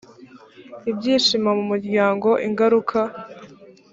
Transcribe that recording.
ibyishimo mu muryango ingaruka